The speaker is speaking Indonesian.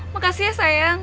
makasih ya sayang